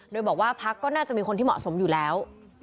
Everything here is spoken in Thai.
โดยบอกว่าพักก็น่าจะมีคนที่เหมาะสมอยู่แล้ว